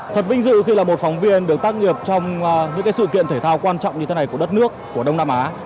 thật vinh dự khi là một phóng viên được tác nghiệp trong những sự kiện thể thao quan trọng như thế này của đất nước của đông nam á